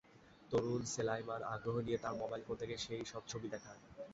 তরুণ সেলায়মান আগ্রহ নিয়ে তার মোবাইল ফোন থেকে সেই সব ছবি দেখায়।